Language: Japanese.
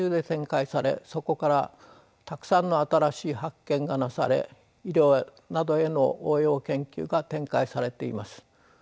そこからたくさんの新しい発見がなされ医療などへの応用研究が展開されています。